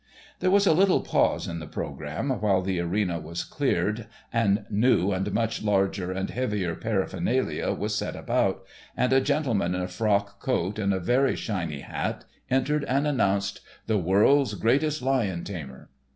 There was a little pause in the programme while the arena was cleared and new and much larger and heavier paraphernalia was set about, and a gentleman in a frock coat and a very shiny hat entered and announced "the world's greatest lion tamer."